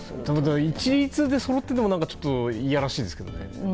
一律でそろっていてもちょっといやらしいですけどね。